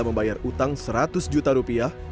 membayar utang seratus juta rupiah